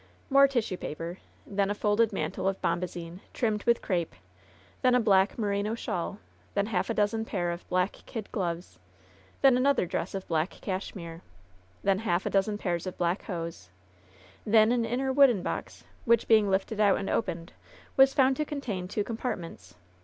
More tissue paper; then a folded mantle of bomba zine, trimed with crape; then a black mevino shawl; then half a dozen pair of black kid gloves ; then another dress of black cashmere; then half a dozen pairs of black hose; then an inner wooden box, which, being lifted out and opened, was found to contain two com partments.